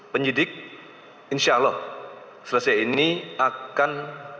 penyidik insya allah selesai ini akan